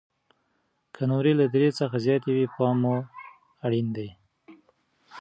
که نمرې له درې څخه زیاتې وي، پام مو اړین دی.